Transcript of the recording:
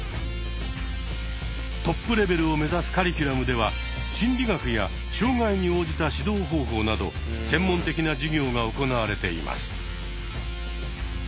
トップレベルをめざすカリキュラムでは心理学や障害に応じた指導方法など専門的な授業が行われています。